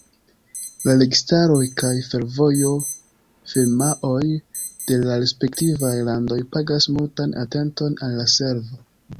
La registaroj kaj fervojo-firmaoj de la respektivaj landoj pagas multan atenton al la servo.